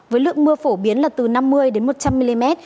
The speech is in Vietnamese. với lượng mưa phổ biến là từ năm mươi một trăm linh mm